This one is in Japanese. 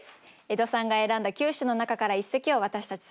江戸さんが選んだ９首の中から一席を私たち３人で予想します。